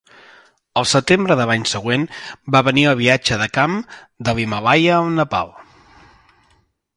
Al setembre de l'any següent va venir el viatge de camp de l'Himàlaia al Nepal.